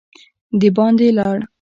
د باندي لاړ.